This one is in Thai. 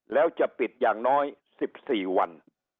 แล้วจะปิดอย่างน้อย๑๔วัน